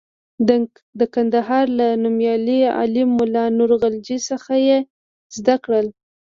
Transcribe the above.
د کندهار له نومیالي عالم ملا نور غلجي څخه یې زده کړل.